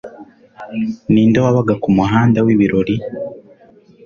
Ninde wabaga kumuhanda wibirori?